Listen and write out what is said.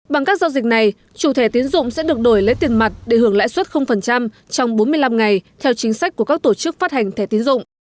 bằng các giao dịch này chủ thẻ tiến dụng sẽ được đổi lấy tiền mặt để hưởng lãi suất trong bốn mươi năm ngày theo chính sách của các tổ chức phát hành thẻ tiến dụng